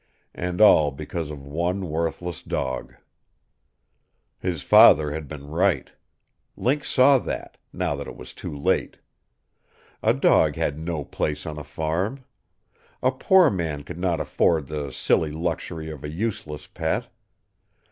And all because of one worthless dog. His father had been right. Link saw that now that it was too late. A dog had no place on a farm. A poor man could not afford the silly luxury of a useless pet.